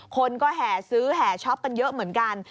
คนก็แห่ซื้อแห่ช็อปกันเยอะเหมือนกัน